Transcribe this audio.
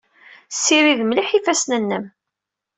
Ssirid mliḥ ifassen-nnem.